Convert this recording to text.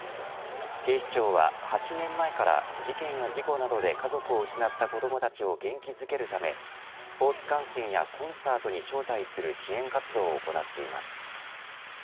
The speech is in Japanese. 警視庁は８年前から事件や事故などで家族を失った子どもたちを元気づけるためスポーツ観戦やコンサートに招待する支援活動を行っています。